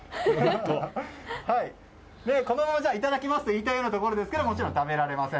このままいただきますと言いたいところですがもちろん、食べられません。